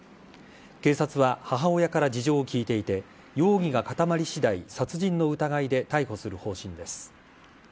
警察は母親から事情を聴いていて、容疑が固まりしだい、殺人の疑いで逮捕する方針です。